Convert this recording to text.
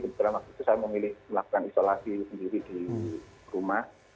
kebetulan waktu itu saya memilih melakukan isolasi sendiri di rumah